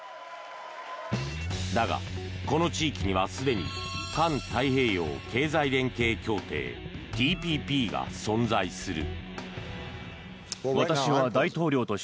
だが、この地域にはすでに環太平洋経済連携協定ＴＰＰが存在する。